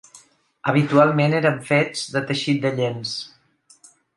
Habitualment eren fets de teixit de llenç.